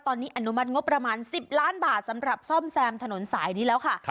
ตอนนี้อนุมัติงบประมาณ๑๐ล้านบาทสำหรับซ่อมแซมถนนสายนี้แล้วค่ะ